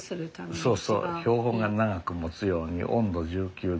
そうそう標本が長くもつように温度１９度。